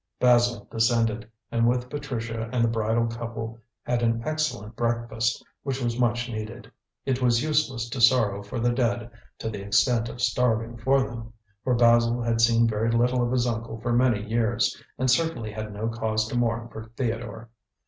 Basil descended, and with Patricia and the bridal couple had an excellent breakfast, which was much needed. It was useless to sorrow for the dead to the extent of starving for them, for Basil had seen very little of his uncle for many years, and certainly had no cause to mourn for Theodore.